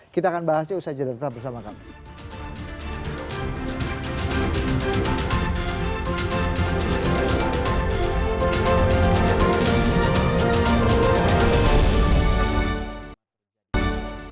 kita akan bahasnya usai jeda tetap bersama kami